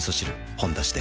「ほんだし」で